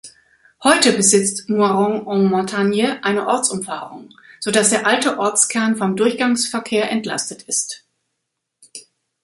Heute besitzt Moirans-en-Montagne eine Ortsumfahrung, so dass der alte Ortskern vom Durchgangsverkehr entlastet ist.